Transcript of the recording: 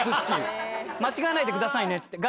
間違えないでくださいねっつって。